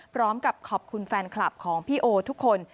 พร้อมกับขอบคุณแฟนคลับของพี่โอทุกคน